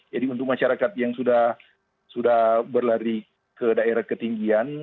jadi untuk masyarakat yang sudah berlari ke daerah ketinggian